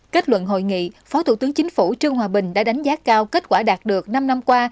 kết luận hội nghị phó thủ tướng chính phủ trương hòa bình đã đánh giá cao kết quả đạt được năm năm qua